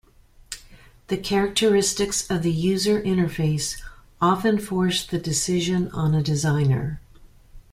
The characteristics of the user interface often force the decision on a designer.